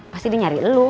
pasti dia nyari lo